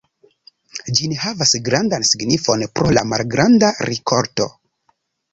Ĝi ne havas grandan signifon pro la malgranda rikolto.